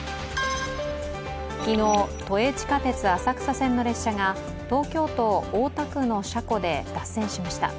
昨日、都営地下鉄・浅草線の列車が東京都大田区の車庫で脱線しました。